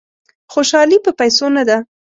خوشالي په پیسو نه ده.